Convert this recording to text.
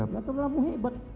ya saudaramu hebat